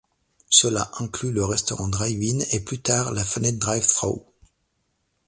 Cela inclut le restaurant drive-in, et plus tard la fenêtre drive-through.